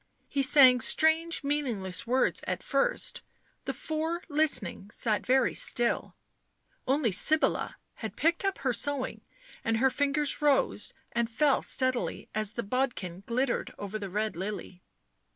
He sang strange meaningless words at first ; the four listening sat very still ; only Sybilla had picked up her sewing, and her fingers rose and fell steadily as the bodkin glittered over the red lily.